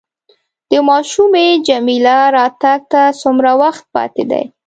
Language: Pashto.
د ماشومې جميله راتګ ته څومره وخت پاتې دی؟